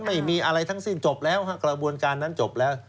ไม่มีอะไรทั้งสิ้นจบแล้วกระบวนการนั้นจบแล้ว